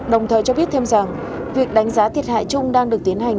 đồng thời cho biết thêm rằng việc đánh giá thiệt hại chung đang được tiến hành